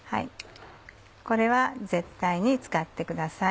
これは絶対に使ってください。